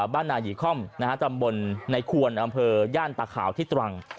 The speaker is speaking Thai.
บ้านนายีค่อมตำบลในควรอำเภอย่านตาขาวที่ตรัง